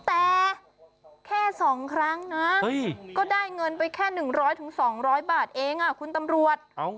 แต่แค่๒ครั้งนะก็ได้เงินไปแค่๑๐๐๒๐๐บาทเองคุณตำรวจ